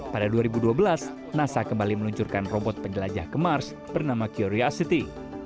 pada dua ribu dua belas nasa kembali meluncurkan robot penjelajah ke mars bernama qoria city